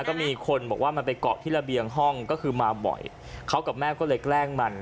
ก็มีคนบอกว่ามันไปเกาะที่ระเบียงห้องก็คือมาบ่อยเขากับแม่ก็เลยแกล้งมัน